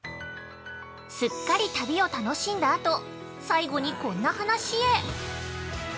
◆すっかり旅を楽しんだ後、最後にこんな話へ。